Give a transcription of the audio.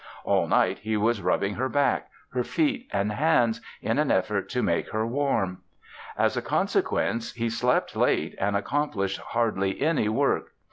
All night he was rubbing her back, her feet and hands in an effort to make her warm. As a consequence he slept late and accomplished hardly any work.